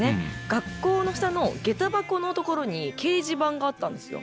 学校の下の下駄箱の所に掲示板があったんですよ。